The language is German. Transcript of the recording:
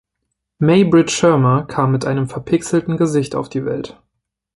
Maybrit Schirmer kam mit einem verpixelten Gesicht auf die Welt.